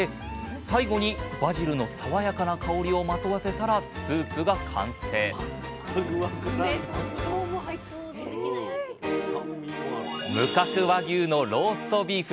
最後にバジルの爽やかな香りをまとわせたらスープが完成無角和牛のローストビーフ。